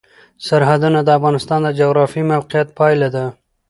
سرحدونه د افغانستان د جغرافیایي موقیعت پایله ده.